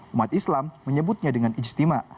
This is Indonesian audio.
umat islam menyebutnya dengan ijtima